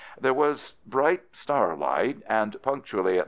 There was bright starlight, and punctually at 9.